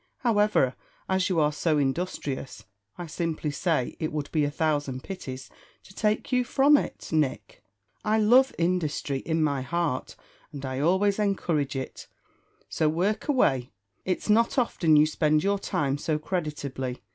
However, as you are so industrious, I simply say it would be a thousand pities to take you from it. Nick, I love industry in my heart, and I always encourage it; so work away, it's not often you spend your time so creditably.